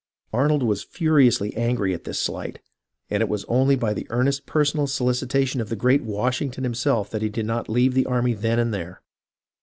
Arnold was furiously angry at this slight, and it was only by the earnest personal solicitation of the great Washington himself that he did not leave the army then and there.